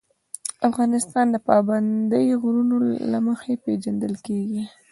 افغانستان د پابندی غرونه له مخې پېژندل کېږي.